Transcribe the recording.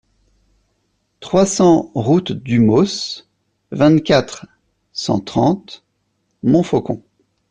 trois cents route du Mausse, vingt-quatre, cent trente, Monfaucon